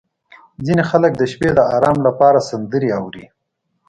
• ځینې خلک د شپې د ارام لپاره سندرې اوري.